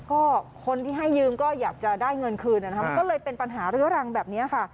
ก็คนที่ให้ยืมก็อยากจะได้เงินคืนนะครับมันก็เลยเป็นปัญหาเรื้อรังแบบนี้ค่ะ